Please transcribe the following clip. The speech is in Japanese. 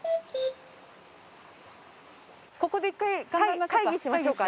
ここで１回考えましょうか。